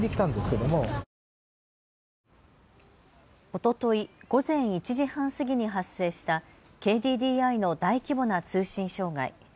おととい午前１時半過ぎに発生したＫＤＤＩの大規模な通信障害。